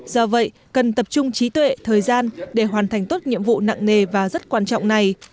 do vậy cần tập trung trí tuệ thời gian để hoàn thành tốt nhiệm vụ nặng nề và rất quan trọng này